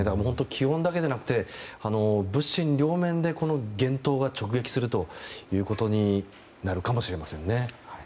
気温だけではなく物心両面でこの厳冬が直撃するということになるかもしれませんね。